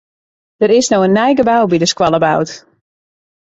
Der is no in nij gebou by de skoalle boud.